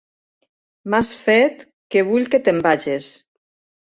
M'has fet... que vull que te'n vages!